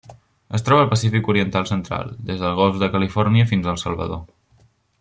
Es troba al Pacífic oriental central: des del golf de Califòrnia fins al Salvador.